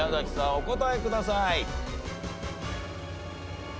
お答えください。